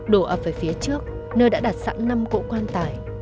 đổ ập về phía trước nơi đã đặt sẵn năm cỗ quan tài